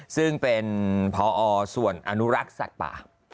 ซึ่งเป็นพอส่วนอนุรักษ์สัตว์ป่า